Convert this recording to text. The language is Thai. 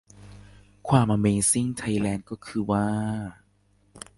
ความอเมซิ่งไทยแลนด์ก็คือว่า